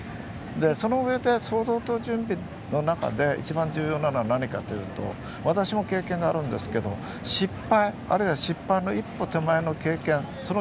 その上で想像と準備の上で一番重要なのは何かというと私も経験があるんですが失敗、あるいは失敗手前の経験